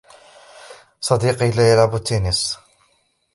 صديقي لا يلعب التنس.